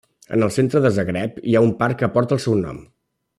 En el centre de Zagreb hi ha un parc que porta el seu nom.